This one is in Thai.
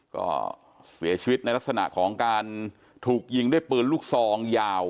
ก็เสียชีวิตในลักษณะของการถูกยิงด้วยปืนลูกซองยาว